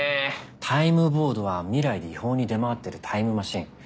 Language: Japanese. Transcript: タイムボードは未来で違法に出回ってるタイムマシン。